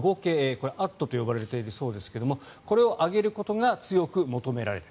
これ、「＠」と呼ばれているそうですがこれを上げることが強く求められる。